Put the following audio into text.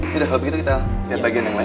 yaudah kalau begitu kita liat bagian yang lain